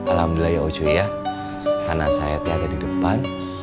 alhamdulillah ya ucuy ya tanah saya tiada di depan